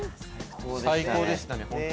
最高でしたね、本当。